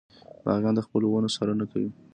باغبان د خپلو ونو څارنه کوي.